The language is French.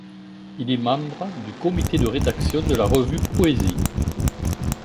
Il est membre du comité de rédaction de la revue Po&sie.